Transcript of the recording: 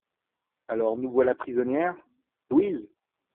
Alors, nous voilà prisonnières ? LOUISE.